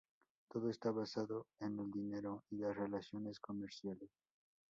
Todo está basado en el dinero y las relaciones comerciales.